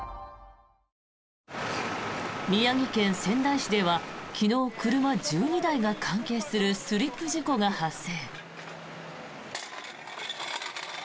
宮城県仙台市では昨日車１２台が関係するスリップ事故が発生。